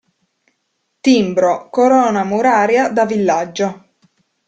Timbro: corona muraria da villaggio.